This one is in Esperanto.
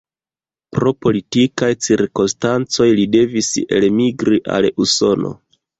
Pro politikaj cirkonstancoj li devis elmigri al Usono.